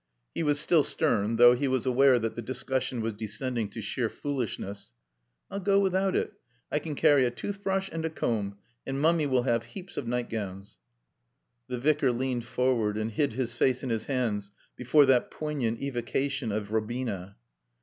He was still stern, though, he was aware that the discussion was descending to sheer foolishness. "I'll go without it. I can carry a toothbrush and a comb, and Mummy will have heaps of nightgowns." The Vicar leaned forward and hid his face in his hands before that poignant evocation of Robina.